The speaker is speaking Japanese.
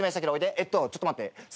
えっとちょっと待って」